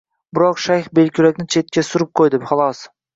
Biroq shayx belkurakni chetga surib qo`ydi, xolos